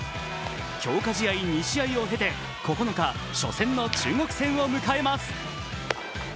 強化試合２試合を経て９日、初戦の中国戦を迎えます。